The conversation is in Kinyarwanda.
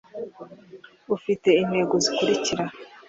ufite intego zikurikira